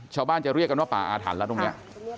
ชาวบ้านจะเรียกกันว่าป่าอาถรรพ์แล้วตรงนี้